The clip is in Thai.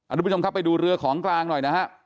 ทุกผู้ชมครับไปดูเรือของกลางหน่อยนะฮะ